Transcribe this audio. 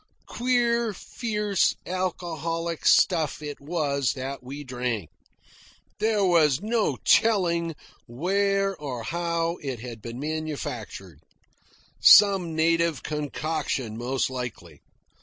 Queer, fierce, alcoholic stuff it was that we drank. There was no telling where or how it had been manufactured some native concoction most likely.